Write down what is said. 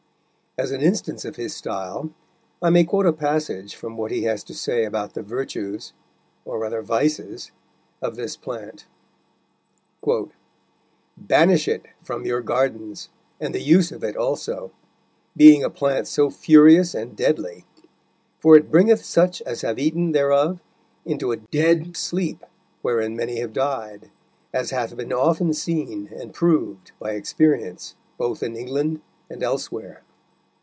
As an instance of his style, I may quote a passage from what he has to say about the virtues, or rather vices, of this plant: "Banish it from your gardens and the use of it also, being a plant so furious and deadly; for it bringeth such as have eaten thereof into a dead sleep wherein many have died, as hath been often seen and proved by experience both in England and elsewhere.